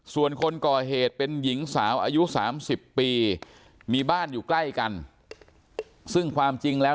ส่วนคนก่อเหตุเป็นหญิงสาวอายุ๓๐ปีมีบ้านอยู่ใกล้กันซึ่งความจริงแล้ว